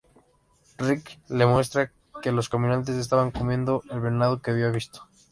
Rick le muestra que los caminantes estaban comiendo el venado que había visto.